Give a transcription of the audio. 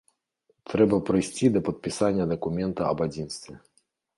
Трэба прыйсці да падпісання дакумента аб адзінстве.